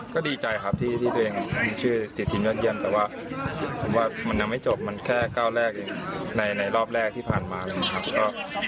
ก็ดีใจครับที่ตัวเองมีชื่อติดทีมเลือดเย็นแต่ว่าผมว่ามันยังไม่จบมันแค่ก้าวแรกในรอบแรกที่ผ่านมาครับ